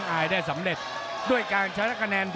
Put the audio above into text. นรินทร์ธรรมีรันดร์อำนาจสายฉลาด